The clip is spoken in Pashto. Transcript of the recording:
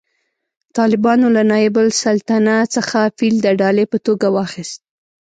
طالبانو له نایب السلطنه څخه فیل د ډالۍ په توګه واخیست